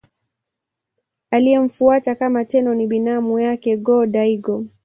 Aliyemfuata kama Tenno ni binamu yake Go-Daigo.